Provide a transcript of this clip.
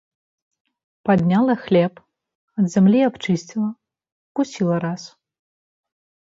Падняла хлеб, ад зямлі абчысціла, укусіла раз.